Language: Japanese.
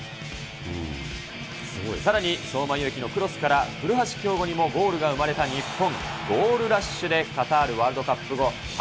さらに相馬勇紀のクロスから、古橋亨梧にもゴールが生まれた日本。